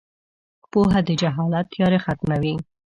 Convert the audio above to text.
• پوهه د جهالت تیاره ختموي.